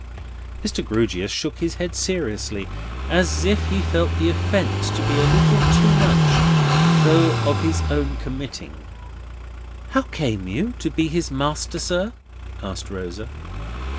Mr. Grewgious shook his head seriously, as if he felt the offence to be a little too much, though of his own committing. "How came you to be his master, sir?" asked Rosa.